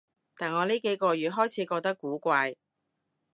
但我呢幾個月開始覺得古怪